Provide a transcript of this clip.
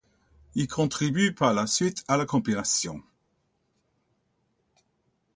Ils contribuent par la suite à la compilation '.